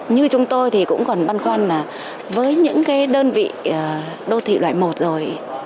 như chúng tôi thì cũng còn băn khoăn là với những cái đơn vị đô thị loại một rồi